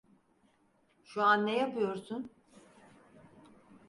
Şu an ne yapıyorsun?